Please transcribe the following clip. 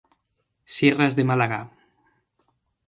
Sierras de Málaga.